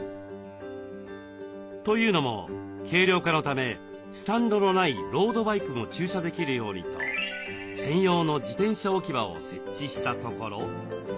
というのも軽量化のためスタンドのないロードバイクも駐車できるようにと専用の自転車置き場を設置したところ。